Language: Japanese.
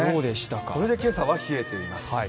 それで今朝は冷えています。